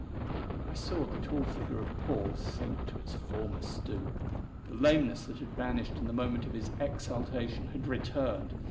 I saw the tall figure of Paul sink to its former stoop; the lameness that had vanished in the moment of his exaltation had returned.